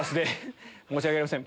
申し訳ありません